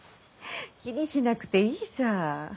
気にしなくていいさ。